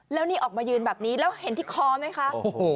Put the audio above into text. แล้วนี่ออกมายืนแบบนี้แล้วเห็นที่คอไหมคะ